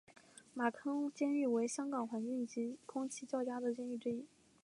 马坑监狱为香港环境及空气较佳的监狱之一。